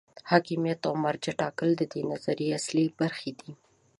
حاکمیت او مرجع ټاکنه د دې نظریې اصلي برخې دي.